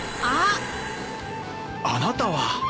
あなたは。